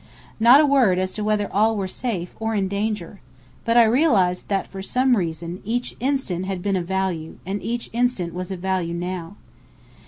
Not a word as to whether all were safe, or in danger! But I realized that, for some reason, each instant had been of value. And each instant was of value now.